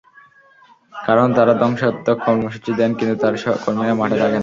কারণ তাঁরা ধ্বংসাত্মক কর্মসূচি দেন, কিন্তু তাঁর কর্মীরা মাঠে থাকে না।